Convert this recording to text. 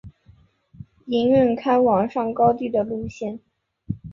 营运开往上高地的路线。